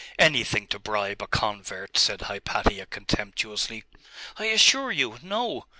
'Anything to bribe a convert,' said Hypatia contemptuously. 'I assure you, no.